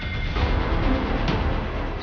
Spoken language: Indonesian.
bahwa ada admin yang ngasih tau saya